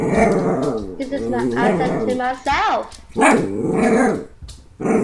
This is my answer to myself.